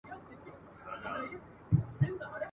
شپه دي اوږده تپه تیاره دي وي !.